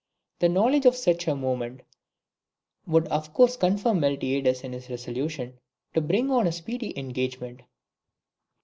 The knowledge of such a movement would of course confirm Miltiades in his resolution to bring on a speedy engagement.